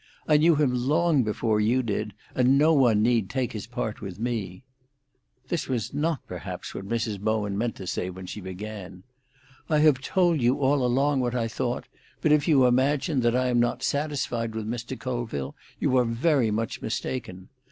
I knew him long before you did, and no one need take his part with me." This was not perhaps what Mrs. Bowen meant to say when she began. "I have told you all along what I thought, but if you imagine that I am not satisfied with Mr. Colville, you are very much mistaken.